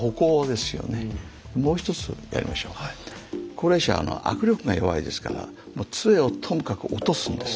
高齢者は握力が弱いですからつえをとにかく落とすんです。